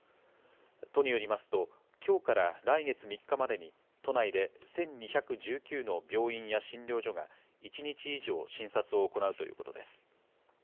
都によりますと、きょうから来月３日までに、都内で１２１９の病院や診療所が１日以上診察を行うということです。